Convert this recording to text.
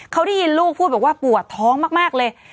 เขาได้ยินลูกพูดบอกว่าปวดท้องมากเลย